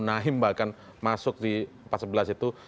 nahim bahkan masuk di empat sebelas itu